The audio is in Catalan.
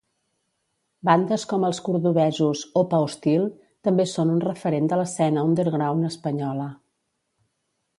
Bandes com els cordovesos Opa Hostil també són un referent de l'escena underground espanyola.